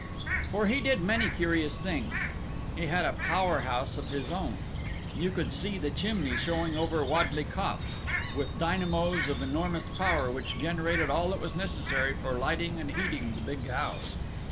For he did many curious things. He had a power house of his own; you could see the chimney showing over Wadleigh Copse, with dynamos of enormous power which generated all that was necessary for lighting and heating the big house.